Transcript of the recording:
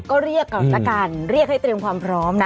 ก็เรียกก่อนละกันเรียกให้เตรียมความพร้อมนะ